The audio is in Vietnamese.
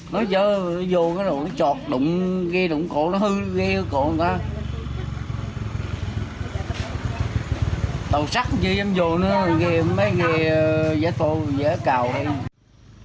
nó vô nó chọt đụng gây đụng cổ nó hư gây cổ tàu sắt dâm vô nữa mấy ghế dễ cào